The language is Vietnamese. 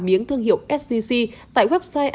miếng thương hiệu sgc tại website